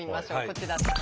こちら。